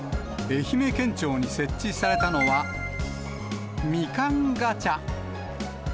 愛媛県庁に設置されたのは、みかんガチャ。